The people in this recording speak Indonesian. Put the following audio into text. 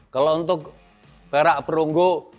kalau untuk perak perunggu